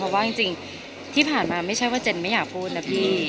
เพราะว่าจริงที่ผ่านมาไม่ใช่ว่าเจนไม่อยากพูดนะพี่